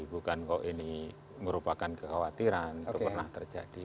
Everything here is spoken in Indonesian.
bukan kok ini merupakan kekhawatiran itu pernah terjadi